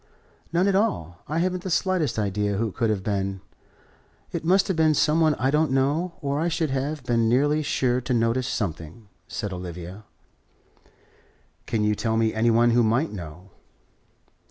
"None at all. I haven't the slightest idea who it could have been. It must have been some one I don't know, or I should have been nearly sure to notice something," said Olivia. "Can you tell me any one who might know?"